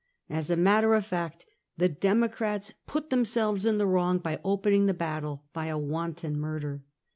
As a matter of fact, the Democrats put themselves in the wrong by opening the battle by a wanton murder.